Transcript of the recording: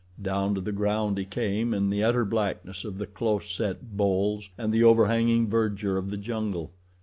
Down to the ground he came in the utter blackness of the close set boles and the overhanging verdure of the jungle.